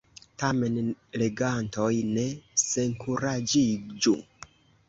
Tamen, legantoj, ne senkuraĝiĝu.